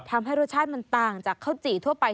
ทำให้รสชาติมันต่างจากข้าวจี่ทั่วไป